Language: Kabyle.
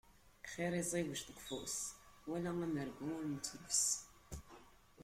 Xir iẓiwec deg ufus, wala amergu ur nettrus.